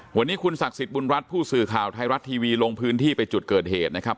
วันนี้คุณศักดิ์สิทธิ์บุญรัฐผู้สื่อข่าวไทยรัฐทีวีลงพื้นที่ไปจุดเกิดเหตุนะครับ